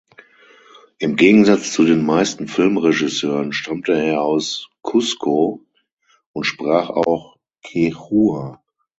Im Gegensatz zu den meisten Filmregisseuren stammte er aus Cusco und sprach auch Quechua.